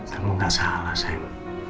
kamu gak salah sayang